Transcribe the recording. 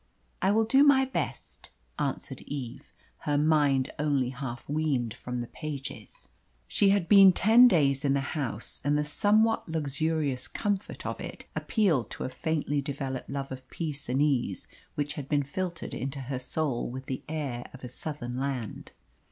"I will do my best," answered Eve, her mind only half weaned from the pages. She had been ten days in the house, and the somewhat luxurious comfort of it appealed to a faintly developed love of peace and ease which had been filtered into her soul with the air of a Southern land.